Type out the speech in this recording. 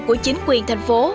của chính quyền thành phố